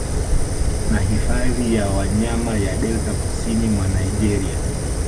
Kuna hifadhi ya wanyama ya Delta kusini mwa Naigeria